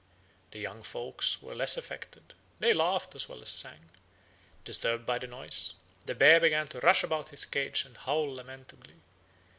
The young folks were less affected; they laughed as well as sang. Disturbed by the noise, the bear began to rush about his cage and howl lamentably.